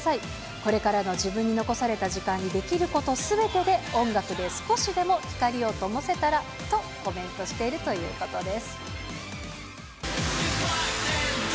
これからの自分に残された時間にできることすべてで音楽で少しでも光をともせたらとコメントしているということです。